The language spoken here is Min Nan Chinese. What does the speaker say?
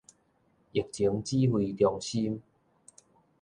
疫情指揮中心